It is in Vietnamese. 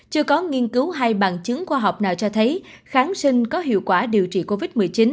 chưa có nghiên cứu hay bằng chứng khoa học nào cho thấy kháng sinh có hiệu quả điều trị covid một mươi chín